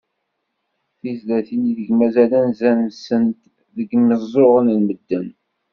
Tizlatin ideg mazal anza-nsent deg yimeẓẓuɣen n medden.